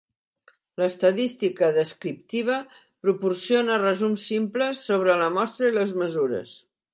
L'estadística descriptiva proporciona resums simples sobre la mostra i les mesures.